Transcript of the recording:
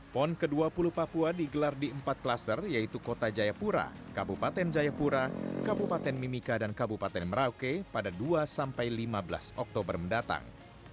pon ke dua puluh papua digelar di empat klaser yaitu kota jayapura kabupaten jayapura kabupaten mimika dan kabupaten merauke pada dua sampai lima belas oktober mendatang